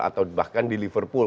atau bahkan di liverpool